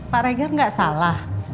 pak regar gak salah